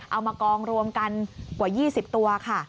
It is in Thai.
เอามากองรวมกันกว่า๒๐ตัวค่ะ